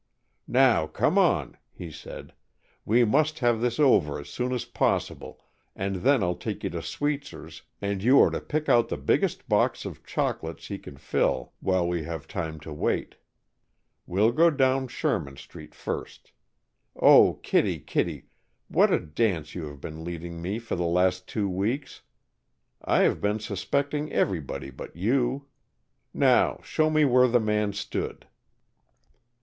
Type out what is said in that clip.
"Now come on," he said. "We must have this over as soon as possible and then I'll take you to Sweetzer's and you are to pick out the biggest box of chocolates he can fill while we have time to wait. We'll go down Sherman Street first. Oh, Kittie, Kittie, what a dance you have been leading me for the last two weeks! I have been suspecting everybody but you. Now show me where the man stood."